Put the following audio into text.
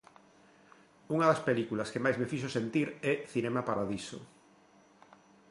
Unha das películas que máis me fixo sentir é Cinema Paradiso.